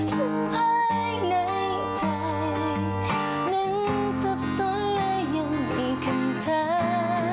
สัมภัยในใจหนึ่งสับสนและยังมีคำถาม